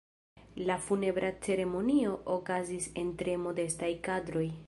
La funebra ceremonio okazis en tre modestaj kadroj.